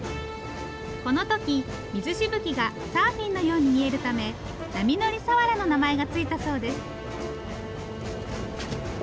この時水しぶきがサーフィンのように見えるため「波乗り鰆」の名前が付いたそうです。